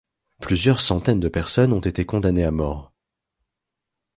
Plusieurs centaines de personnes ont été condamnées à mort.